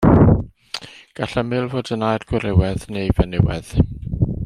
Gall ymyl fod yn air gwrywaidd neu fenywaidd.